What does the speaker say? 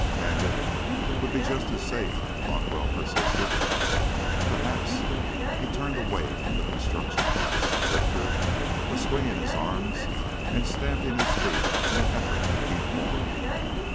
"Bandit would be just as safe," Larkwell persisted. "Perhaps." He turned away from the construction boss. Richter was swinging his arms and stamping his feet in an effort to keep warm.